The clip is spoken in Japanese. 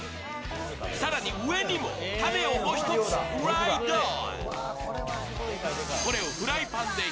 更に、上にもタネをもう一つライド・オン。